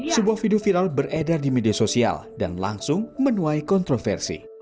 sebuah video viral beredar di media sosial dan langsung menuai kontroversi